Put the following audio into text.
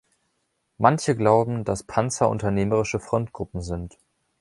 Manche glauben, dass Panzer unternehmerische Frontgruppen sind.